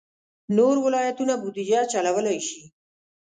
نور ولایتونه بودجه چلولای شي.